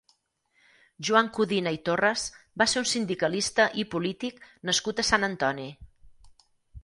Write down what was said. Joan Codina i Torres va ser un sindicalista i polític nascut a Sant Antoni.